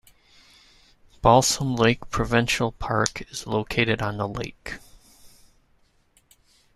Balsam Lake Provincial Park is also located on the lake.